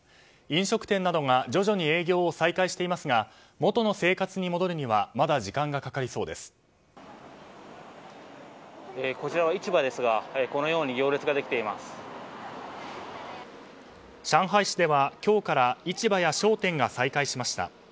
飲食店などが徐々に営業を再開していますが元の生活に戻るにはこちらは市場ですが上海市では今日から市場や商店が再開しました。